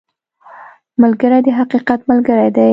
ملګری د حقیقت ملګری دی